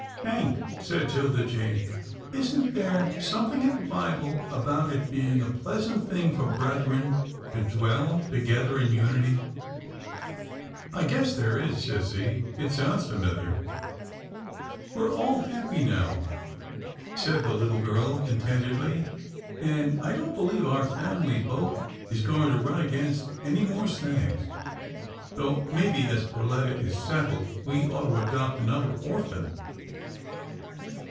" Hank," said 'Tilda Jane, " isn't there some thing in the Bible about it being a pleasant thing for brethren to dwell together in unity? "" I guess there is, sissy, it sounds familiar.'* We're all happy now," said the little girl con tentedly, and I don't believe our family boat is going to run against any more snags, though, maybe, as Perletta is settled, we ought to adopt another orphan."